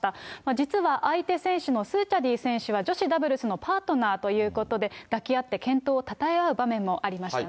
実は相手選手のスーチャディ選手は、女子ダブルスのパートナーということで、抱き合って健闘をたたえ合う場面もありましたね。